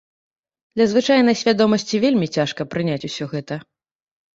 Для звычайнай свядомасці вельмі цяжка прыняць усё гэта.